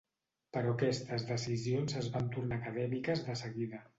Però aquestes decisions es van tornar acadèmiques de seguida.